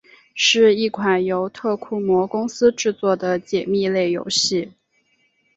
是一款由特库摩公司制作的解谜类游戏。